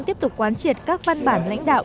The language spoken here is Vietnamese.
tiếp tục quán triệt các văn bản lãnh đạo